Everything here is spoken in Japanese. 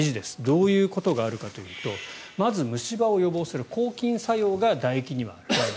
どういうことがあるかというとまず虫歯を予防する抗菌作用がだ液にはある。